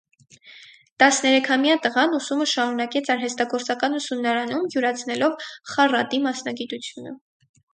Տասներեքամյա տղան ուսումը շարունակեց արհեստագործական ուսումնարանում՝ յուրացնելով խառատի մասնագիտությունը։